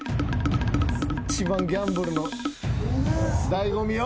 一番ギャンブルの醍醐味よ。